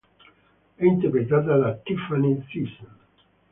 È interpretata da Tiffani Thiessen.